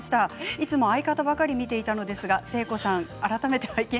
いつも相方ばかり見ていたのですが誠子さん